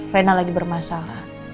reina lagi bermasalah